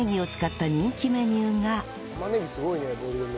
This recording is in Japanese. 玉ねぎすごいねボリューム。